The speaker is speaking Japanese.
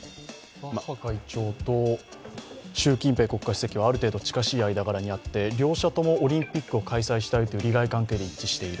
バッハ会長と習近平国家主席はある程度、近しい間柄にあって、両者ともオリンピックを開催したいという利害関係で一致している。